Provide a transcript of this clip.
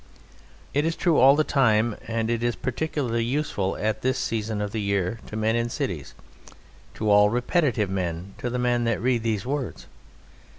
It is true all the time, and it is particularly useful at this season of the year to men in cities: to all repetitive men: to the men that read these words.